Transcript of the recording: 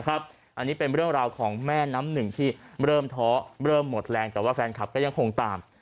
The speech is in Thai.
อันนี้เป็นเรื่องราวของแม่น้ำหนึ่งที่เริ่มท้อเริ่มหมดแรงแต่ว่าแฟนคลับก็ยังคงตาม